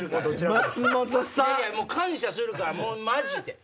松本さん！感謝するからもうマジで！